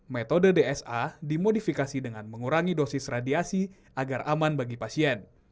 metode dsa dimodifikasi dengan mengurangi dosis radiasi agar aman bagi pasien